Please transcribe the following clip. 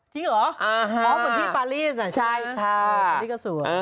จริงเหรอเหมือนที่ปารีสน่ะใช่ไหมคะอันนี้ก็สวยใช่ค่ะ